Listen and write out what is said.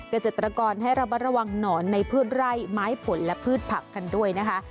เกษตรกรให้ระมัดระวังหนอนในพืชไร่ไม้ผลและพืชผักกันด้วยนะคะ